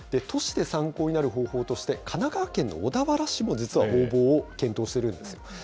都市で参考になる方法として、神奈川県の小田原市も、実は応募を検討しているんですよ。